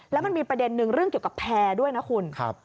แล้วมันมีประเด็นนึงเรื่องเกี่ยวกับแพร่ด้วยนะคุณ